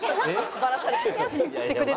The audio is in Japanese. バラされてる。